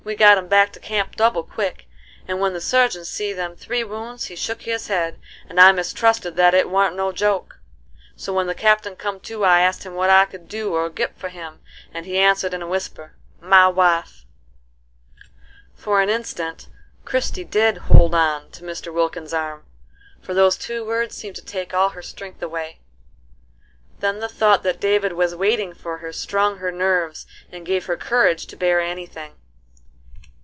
We got him back to camp double quick, and when the surgeon see them three wounds he shook his head, and I mistrusted that it warn't no joke. So when the Captain come to I asked him what I could do or git for him, and he answered in a whisper, 'My wife.'" For an instant Christie did "hold on" to Mr. Wilkins's arm, for those two words seemed to take all her strength away. Then the thought that David was waiting for her strung her nerves and gave her courage to bear any thing.